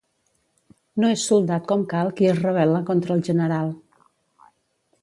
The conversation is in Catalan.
No és soldat com cal qui es rebel·la contra el general.